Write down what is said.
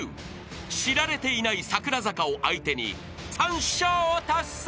［知られていない櫻坂を相手に３笑を達成］